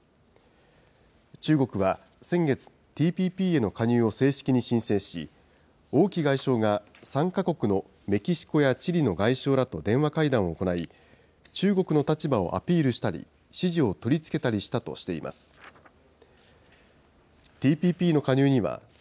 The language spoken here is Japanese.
中国は先月、ＴＰＰへの加入を正式に申請し、王毅外相が参加国のメキシコやチリの外相らと電話会談を行い、中国の立場をアピールしたり、支持を取り付けたとしています。